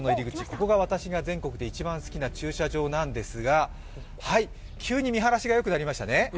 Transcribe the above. ここが私が全国で一番好きな駐車場なんですがはい、急に見晴らしがよくなりましたね。